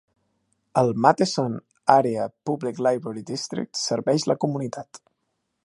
El Matteson Area Public Library District serveix la comunitat.